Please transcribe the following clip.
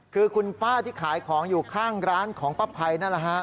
คือคุณป้าที่ขายของอยู่ข้างร้านของป้าภัยนั่นแหละฮะ